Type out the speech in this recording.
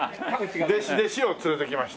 弟子を連れてきました。